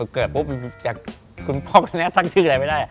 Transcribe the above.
เกิดปุ๊บจากคุณพ่อคนนี้ตั้งชื่ออะไรไม่ได้